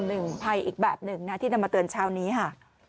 หนึ่งภัยอีกแบบหนึ่งนะที่นำมาเตือนเช้านี้ค่ะ